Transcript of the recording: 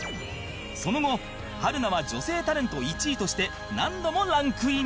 その後春菜は女性タレント１位として何度もランクイン